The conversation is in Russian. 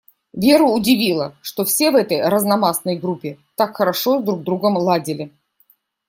Веру удивило, что все в этой разномастной группе так хорошо друг с другом ладили.